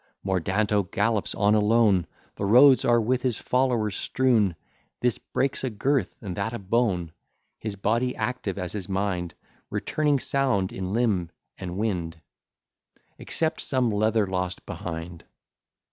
Mordanto gallops on alone, The roads are with his followers strewn, This breaks a girth, and that a bone; His body active as his mind, Returning sound in limb and wind, Except some leather lost behind.